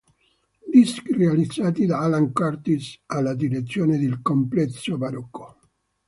Dischi realizzati da Alan Curtis alla direzione de Il Complesso Barocco.